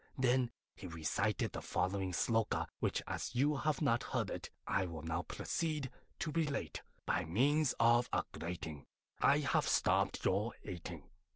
Then he recited the following Sloka, which, as you have not heard it, I will now proceed to relate By means of a grating I have stopped your ating.